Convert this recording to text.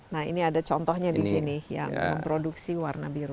nah ini ada contohnya di sini yang memproduksi warna biru